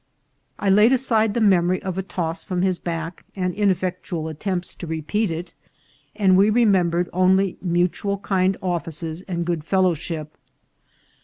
I laid aside the memory of a toss from his back and ineffectual attempts to repeat it, and we remem bered only mutual kind offices and good fellowship.